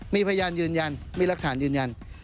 มีพยานยืนยันมีรักฐานยืนยัน